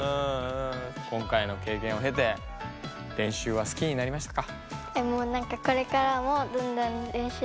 今回のけいけんをへて練習は好きになりましたか？